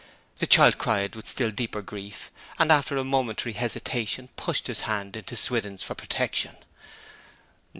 The child cried with still deeper grief, and, after a momentary hesitation, pushed his hand into Swithin's for protection.